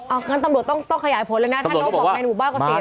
อ่ะงั้นตำรวจต้องขยายผลเลยนะถ้านกบอกในหมู่บ้านเขาเสพเนี่ย